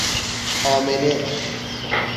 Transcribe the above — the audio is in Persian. آمنه